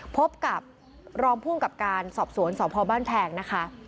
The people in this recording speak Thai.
พบกับรองภูมิกับการสอบสวนสพบ้านแพงนะคะ